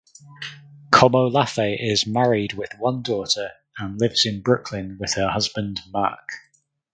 Komolafe is married with one daughter and lives in Brooklyn with her husband Mark